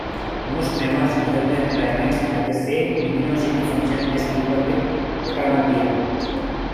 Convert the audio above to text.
Most mammals other than primates have the same luminosity function as people with protanopia.